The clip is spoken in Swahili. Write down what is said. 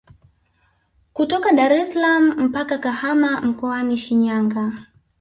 Kutoka Daressalaam mpaka Kahama mkoani Shinyanga